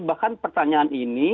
bahkan pertanyaan ini